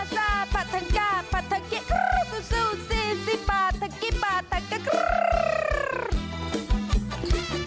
ฉ่าภัทรั้งกาฟภัทรั้งเกชครืออะไร